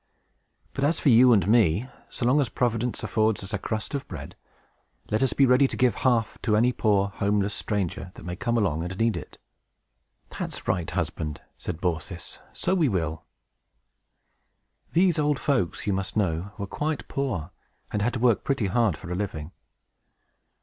But, as for you and me, so long as Providence affords us a crust of bread, let us be ready to give half to any poor, homeless stranger that may come along and need it." "That's right, husband!" said Baucis. "So we will!" These old folks, you must know, were quite poor, and had to work pretty hard for a living.